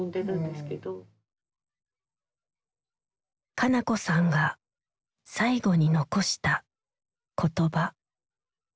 香夏子さんが最後に残した言葉。